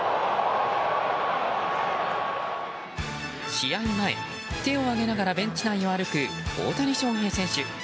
試合前、手を上げながらベンチ内を歩く大谷翔平選手。